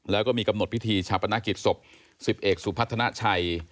แล้วก็มีกำหนดพิธีชาปนกิจศพ๑๐เอกสุพัฒนาชัย